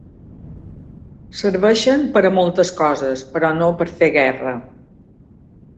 Serveixen per a moltes coses, però no per fer guerra.